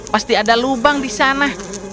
pasti ada lubang di sana